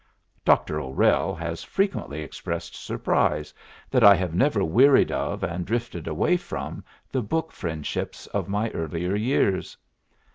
Dr. O'Rell has frequently expressed surprise that I have never wearied of and drifted away from the book friendships of my earlier years.